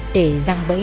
để răng bẫy